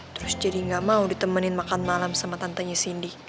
terus jadi gak mau ditemenin makan malam sama tantenya cindy